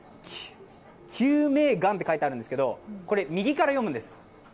救命丸と書いてあるんですけど、これ、右から読むんです。